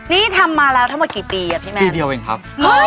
นี่ทำมาแล้วทั้งหมดกี่ปีอะพี่แม่นิดเดียวเองครับ